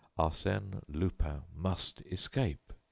Arsène Lupin must escape.